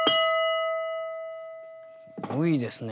すごいですね